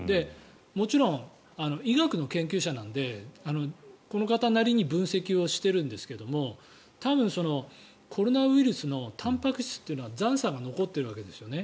もちろん、医学の研究者なのでこの方なりに分析しているんですけど多分、コロナウイルスのたんぱく質っていうのは残さが残っているわけですよね。